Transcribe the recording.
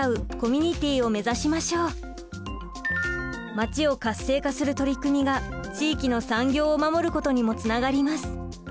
まちを活性化する取り組みが地域の産業を守ることにもつながります。